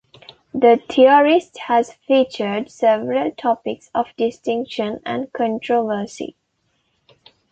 The "Theorist" has featured several topics of distinction and controversy.